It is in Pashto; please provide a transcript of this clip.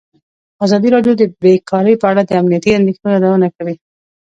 ازادي راډیو د بیکاري په اړه د امنیتي اندېښنو یادونه کړې.